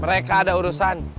mereka ada urusan